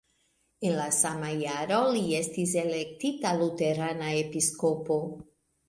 En la sama jaro li estis elektita luterana episkopo.